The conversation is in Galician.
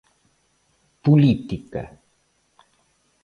Política.